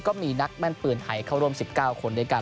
ก็มีนักแม่นปืนไทยเข้าร่วม๑๙คนด้วยกัน